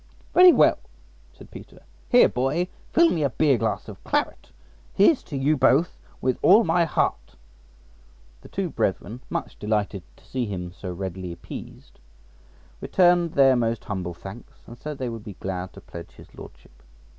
"Very well," said Peter. "Here, boy, fill me a beer glass of claret. Here's to you both with all my heart." The two brethren, much delighted to see him so readily appeased, returned their most humble thanks, and said they would be glad to pledge his Lordship.